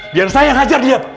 biar saya yang hajar dia